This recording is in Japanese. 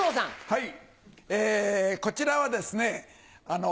はい。